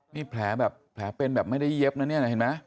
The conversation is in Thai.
นี่แผลแบบแผลเป็นแบบไม่ได้เย็บนะเนี่ยเห็นไหม